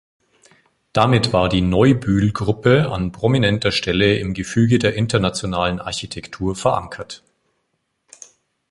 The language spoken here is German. Damit war die „Neubühl-Gruppe“ an prominenter Stelle im Gefüge der internationalen Architektur verankert.